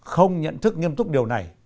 không nhận thức nghiêm túc điều này